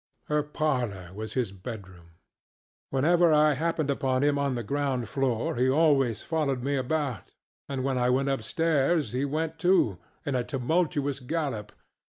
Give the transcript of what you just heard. Her parlor was his bedroom. Whenever I happened upon him on the ground floor he always followed me about, and when I went upstairs he went tooŌĆöin a tumultuous gallop.